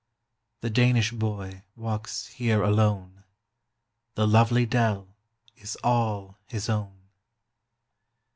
20 The Danish boy walks here alone: The lovely dell is all his own.